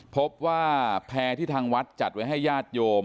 พบว่าแพร่ที่ทางวัดจัดไว้ให้ญาติโยม